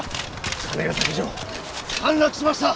金ヶ崎城陥落しました！